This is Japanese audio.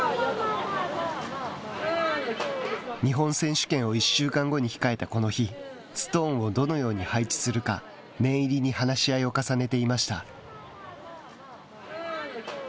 日本選手権を１週間後に控えたこの日ストーンをどのように配置するか念入りに話し合いを重ねていました。